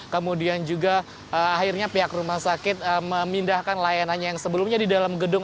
kemudian juga akhirnya pihak rumah sakit memindahkan layanannya yang sebelumnya di dalam gedung